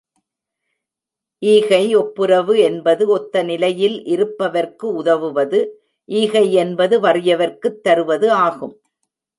ஈகை ஒப்புரவு என்பது ஒத்த நிலையில் இருப்பவர்க்கு உதவுவது ஈகை என்பது வறியவர்க்குத் தருவது ஆகும்.